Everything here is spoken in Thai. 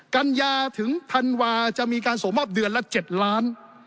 กัญญาถึงธันวาจะมีการส่งมอบเดือนละ๗ล้าน